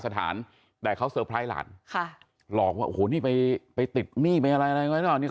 ตอนที่นุ่มน้อยได้ซ่องจดหมายรู้สึกยังไง